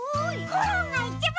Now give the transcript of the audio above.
コロンがいちばん！